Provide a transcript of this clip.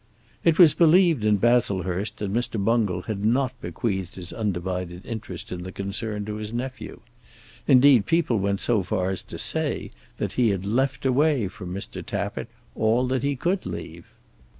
It was believed in Baslehurst that Mr. Bungall had not bequeathed his undivided interest in the concern to his nephew. Indeed people went so far as to say that he had left away from Mr. Tappitt all that he could leave.